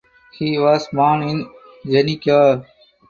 He was born in Zenica.